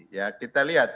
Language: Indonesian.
ya kita lihat